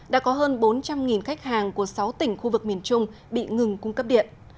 đã có hơn bốn trăm linh khách hàng của sáu tỉnh khu vực miền trung bị ngừng cung cấp điện